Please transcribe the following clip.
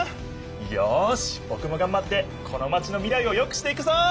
よしぼくもがんばってこのマチの未来をよくしていくぞ！